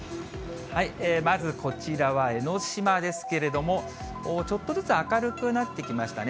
まずこちらは江の島ですけれども、ちょっとずつ明るくなってきましたね。